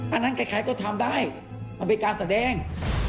อันนั้นใครก็ทำได้มันเป็นการแสดง